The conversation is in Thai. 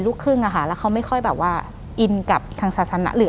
ลูกครึ่งอะค่ะแล้วเขาไม่ค่อยแบบว่าอินกับทางศาสนาหรือ